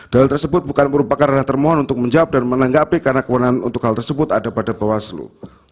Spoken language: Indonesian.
dalil tersebut bukan merupakan ranah termohon untuk menjawab dan menanggapi karena kewenangan untuk hal tersebut ada pada bawaslu